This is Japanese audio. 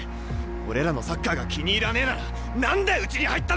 俺らのサッカーが気に入らねえなら何でうちに入ったんだ！